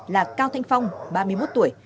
là cao thanh phong ba mươi một tuổi